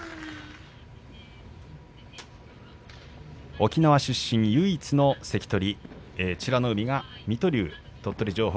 沖縄出身唯一の関取美ノ海、水戸龍鳥取城北